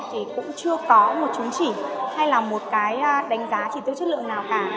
thì cũng chưa có một chứng chỉ hay là một cái đánh giá chỉ tiêu chất lượng nào cả